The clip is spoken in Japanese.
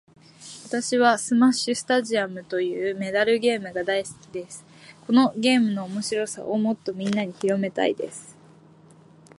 私はスマッシュスタジアムというメダルゲームが大好きです。このゲームの面白さをもっとみんなに広めたいです。